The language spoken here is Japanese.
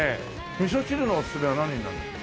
みそ汁のおすすめは何になるんですか？